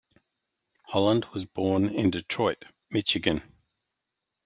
Holland was born in Detroit, Michigan.